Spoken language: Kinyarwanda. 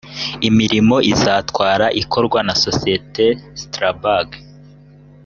imirimo izatwara ikorwa na sosiyete strabag